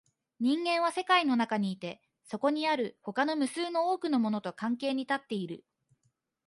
人間は世界の中にいて、そこにある他の無数の多くのものと関係に立っている。